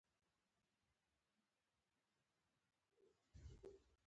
لکه د ایران خلکو غوندې.